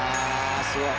すごい！